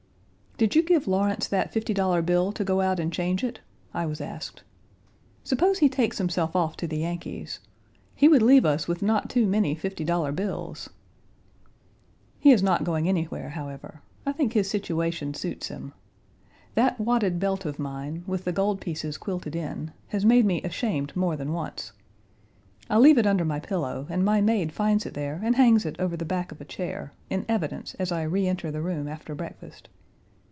"Did you give Lawrence that fifty dollar bill to go out and change it?" I was asked. "Suppose he takes himself off to the Yankees. He would leave us with not too many fifty dollar bills." He is not going anywhere, however. I think his situation suits him. That wadded belt of mine, with the gold pieces quilted in, has made me ashamed more than once. I leave it under my pillow and my maid finds it there and hangs it over the back of a chair, in evidence as I reenter the room after breakfast.